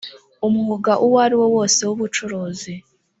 umwuga uwo ariwo wose w ubucuruzi